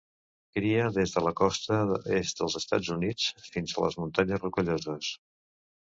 Cria des de la costa est dels Estats Units fins a les Muntanyes Rocalloses.